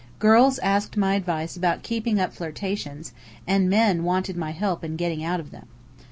Girls asked my advice about keeping up flirtations, and men wanted my help in getting out of them.